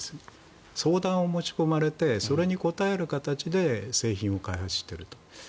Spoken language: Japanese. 相談を持ち込まれてそれに応える形で製品を開発していると。